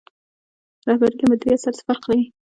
رهبري له مدیریت سره څه فرق لري؟